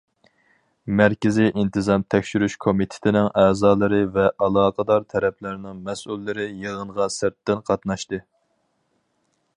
مەركىزىي ئىنتىزام تەكشۈرۈش كومىتېتىنىڭ ئەزالىرى ۋە ئالاقىدار تەرەپلەرنىڭ مەسئۇللىرى يىغىنغا سىرتتىن قاتناشتى.